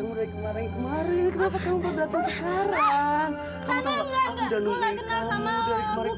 berani beraninya kamu nuduh anak saya tukang ojek